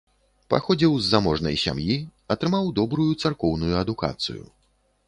Паходзіў з заможнай сям'і, атрымаў добрую царкоўную адукацыю.